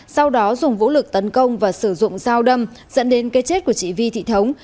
sau đó dùng vũ lực tấn công và sử dụng dao đâm dẫn đến cái chết của chị vi thị thống